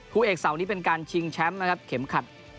คู่เอกเสาร์นี้เป็นการชิงแชมป์นะครับเข็มขัด